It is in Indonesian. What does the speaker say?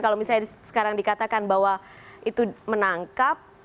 kalau misalnya sekarang dikatakan bahwa itu menangkap